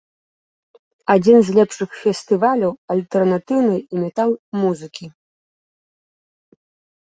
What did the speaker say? Адзін з лепшых фестываляў альтэрнатыўнай і метал-музыкі.